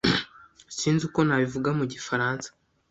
Sinzi uko nabivuga mu gifaransa